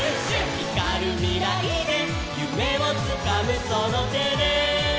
「ひかるみらいでゆめをつかむそのてで」